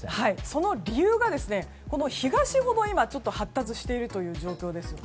その理由が今、東ほど発達しているという状況です。